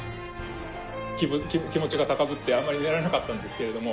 気持ちが高ぶってあまり寝られなかったんですけれども。